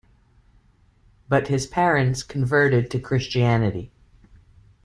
But his parents converted to Christianity.